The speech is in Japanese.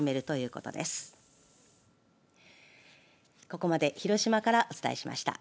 ここまで広島からお伝えしました。